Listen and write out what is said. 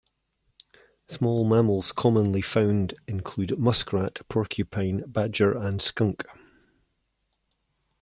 Small mammals commonly found include muskrat, porcupine, badger and skunk.